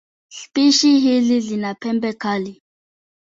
Spishi hizi zina pembe kali.